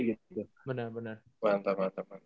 bener bener mantap mantap